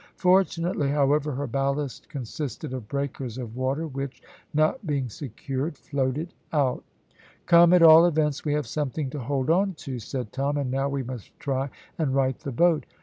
Fortunately, however, her ballast consisted of breakers of water which, not being secured, floated out. "Come, at all events we have something to hold on to," said Tom, "and now we must try and right the boat."